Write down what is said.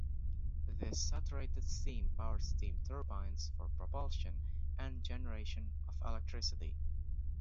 This saturated steam powered steam turbines for propulsion and generation of electricity.